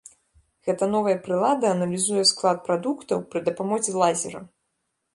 Гэта новая прылада аналізуе склад прадуктаў пры дапамозе лазера.